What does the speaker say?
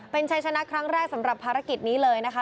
เป็นชัยชนะครั้งแรกสำหรับภารกิจนี้เลยนะคะ